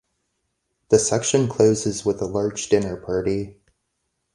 The section closes with a large dinner party.